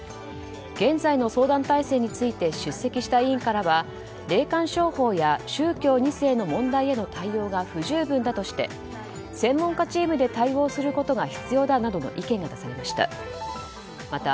現在の相談体制について出席した委員からは霊感商法や宗教２世の問題への対応が不十分だとして専門家チームで対応することが必要だなどの意見が出されました。